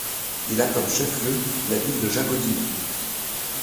Il a comme chef-lieu la ville de Jagodina.